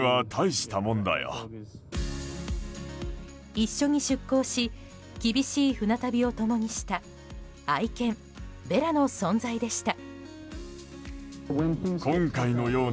一緒に出航し厳しい船旅を共にした愛犬ベラの存在でした。